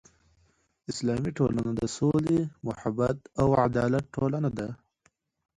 اسلامي ټولنه د سولې، محبت او عدالت ټولنه ده.